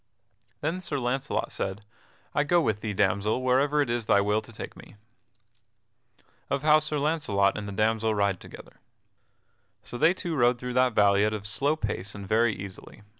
Then Sir Launcelot said: "I go with thee, damsel, wherever it is thy will to take me." [Sidenote: Of how Sir Launcelot and the damsel ride together] So they two rode through that valley at a slow pace and very easily.